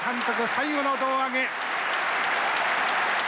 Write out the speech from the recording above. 最後の胴上げ。